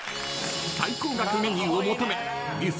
［最高額メニューを求め流星